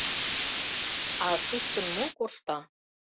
А суксын мо коршта?